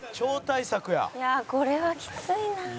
いやこれはきついな。